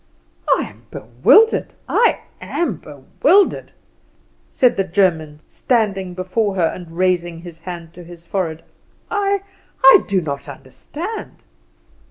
"I am bewildered, I am bewildered," said the German, standing before her and raising his hand to his forehead; "I I do not understand."